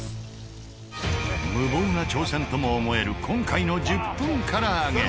無謀な挑戦とも思える今回の１０分唐揚げ。